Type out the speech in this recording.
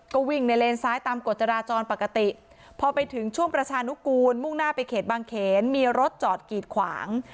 ก็วิ่งในเลนซ้ายตามกฎจราจรปกติพอไปถึงช่วงประชานุกูลมุ่งหน้าไปเขตบางเขนมีรถจอดกีดขวาง